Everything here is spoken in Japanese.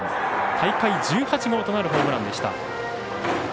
大会１８号となるホームラン。